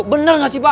bener ga sih pak